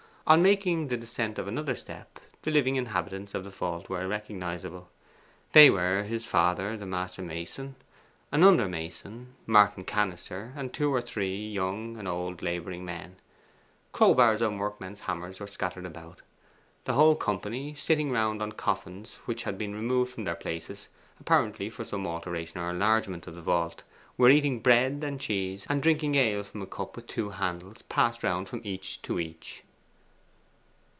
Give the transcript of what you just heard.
On making the descent of another step the living inhabitants of the vault were recognizable. They were his father the master mason, an under mason, Martin Cannister, and two or three young and old labouring men. Crowbars and workmen's hammers were scattered about. The whole company, sitting round on coffins which had been removed from their places, apparently for some alteration or enlargement of the vault, were eating bread and cheese, and drinking ale from a cup with two handles, passed round from each to each.